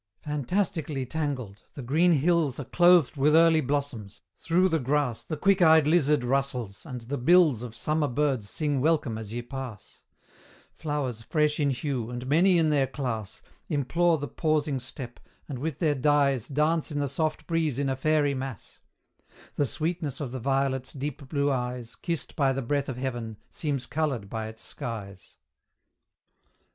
Fantastically tangled; the green hills Are clothed with early blossoms, through the grass The quick eyed lizard rustles, and the bills Of summer birds sing welcome as ye pass; Flowers fresh in hue, and many in their class, Implore the pausing step, and with their dyes Dance in the soft breeze in a fairy mass; The sweetness of the violet's deep blue eyes, Kissed by the breath of heaven, seems coloured by its skies.